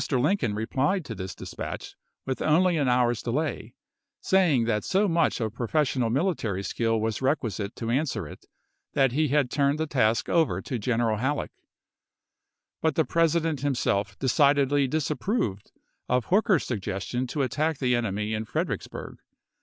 Lincoln replied to this dispatch with only an hour's delay, saying that so much of professional military skill was requisite to answer it that he had turned the task over to General Halleck ; but the President himself decidedly disapproved of Hooker's suggestion to attack the enemy in Fredericksburg.